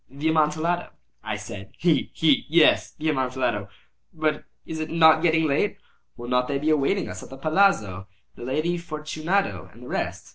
"The Amontillado!" I said. "He! he! he!—he! he! he!—yes, the Amontillado. But is it not getting late? Will not they be awaiting us at the palazzo, the Lady Fortunato and the rest?